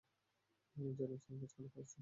যেন চার ভাঁজ করা পার্সেল।